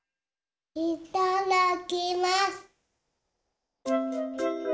いただきます！